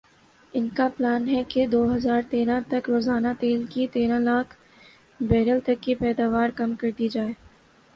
ان کا پلان ھے کہ دو ہزار تیرہ تک روزانہ تیل کی تیرہ لاکھ بیرل تک کی پیداوار کم کر دی جائے